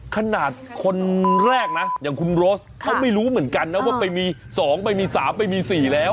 ขนาดคนแรกนะอย่างคุณโรสเขาไม่รู้เหมือนกันนะว่าไปมี๒ไปมี๓ไปมี๔แล้ว